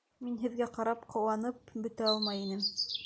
Мин һеҙгә ҡарап ҡыуанып бөтә алмай инем.